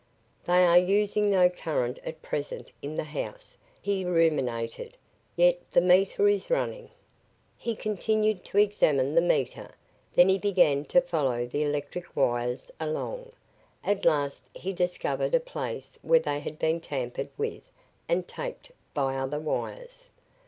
"They are using no current at present in the house," he ruminated. "Yet the meter is running." He continued to examine the meter. Then he began to follow the electric wires along. At last he discovered a place where they had been tampered with and tapped by other wires.